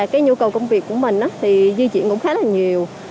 cái nhu cầu công việc của mình thì di chuyển cũng khá là nhiều